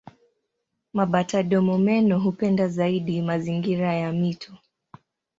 Mabata-domomeno hupenda zaidi mazingira ya mito.